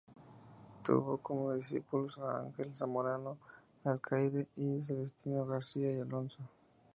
Tuvo como discípulos a Ángel Zamorano Alcaide y Celestino García y Alonso.